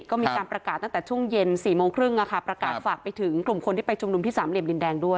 ก็มีการประกาศตั้งแต่ช่วงเย็น๔โมงครึ่งประกาศฝากไปถึงกลุ่มคนที่ไปชุมนุมที่สามเหลี่ยมดินแดงด้วย